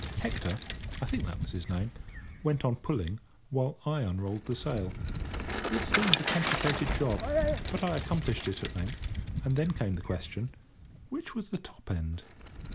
Hector—I think that was his name—went on pulling while I unrolled the sail. It seemed a complicated job, but I accomplished it at length, and then came the question, which was the top end?